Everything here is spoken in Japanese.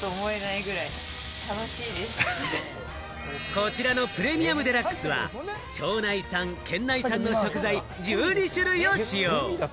こちらのプレミアムデラックスは、町内産・県内産の食材１２種類を使用。